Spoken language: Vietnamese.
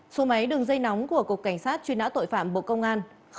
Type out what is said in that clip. số máy đường dây nóng của cục cảnh sát truy nã tội phạm bộ công an